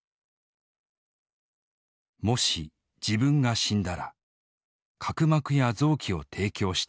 「もし自分が死んだら角膜や臓器を提供したい」。